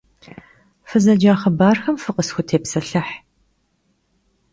Fızeca xhıbarxem fıkhısxutêpselhıh.